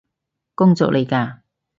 工作嚟嘎？